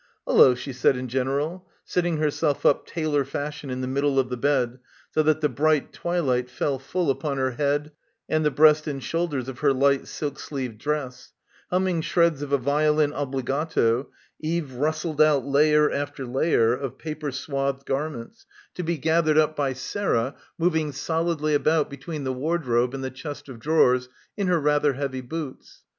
"Ullo," she said in general, sitting herself up tailor fashion in the middle of the bed so that the bright twilight fell — 212 — BACKWATER full upon her head and die breast and shoulders of her light silk sleeved dress. Humming shreds of a violin obligate, Eve rustled out layer after layer of paper swathed garments, to be gathered up by Sarah moving solidly about between the wardrobe and the chest of drawers in her rather heavy boots.